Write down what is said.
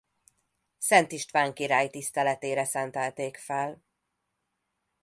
Szent István király tiszteletére szentelték fel.